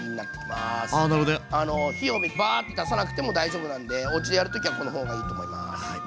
あなるほどね。火をバーッと出さなくても大丈夫なんでおうちでやる時はこの方がいいと思います。